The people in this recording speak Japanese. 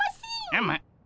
うむ。